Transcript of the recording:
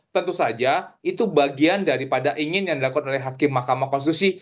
tentu saja itu bagian daripada ingin yang dilakukan oleh hakim mahkamah konstitusi